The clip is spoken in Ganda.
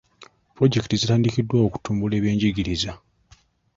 Pulojekiti zitandikiddwawo okutumbula ebyenjigiriza.